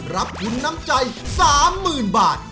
รับทุนน้ำใจ๓๐๐๐บาท